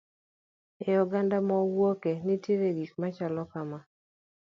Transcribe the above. E oganda ma wawuoke nitie gik moko machalo kama.